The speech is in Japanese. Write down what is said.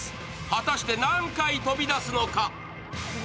果たして何回飛び出すのか。